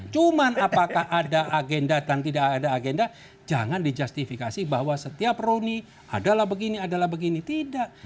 cuman apakah ada agenda dan tidak ada agenda jangan dijustifikasi bahwa setiap rony adalah begini adalah begini tidak